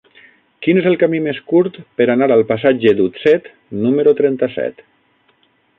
Quin és el camí més curt per anar al passatge d'Utset número trenta-set?